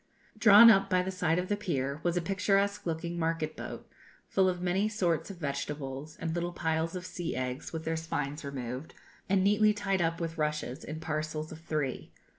Drawn up by the side of the pier was a picturesque looking market boat, full of many sorts of vegetables, and little piles of sea eggs, with their spines removed, and neatly tied up with rushes in parcels of three.